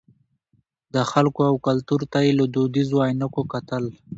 د خلکو او کلتور ته یې له دودیزو عینکو کتل.